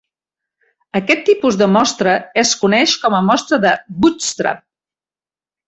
Aquest tipus de mostra es coneix com a mostra de "bootstrap".